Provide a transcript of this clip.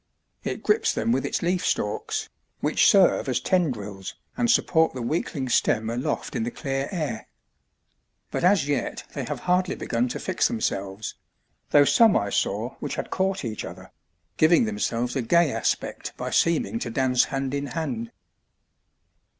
It grips them with its leaf stalks, which serve as tendrils and support the weakling stem aloft in the clear air. But as yet they have hardly begun to fix themselves; though some I saw which had caught each other, giving themselves a gay aspect by seeming to dance hand in hand.